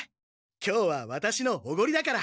今日はワタシのおごりだから。